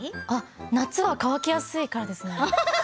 夏は乾きやすいからですね。